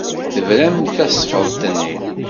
Tebren tasfeḍt-nni.